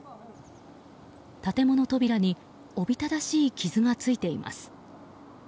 建物扉におびただしい傷がついています。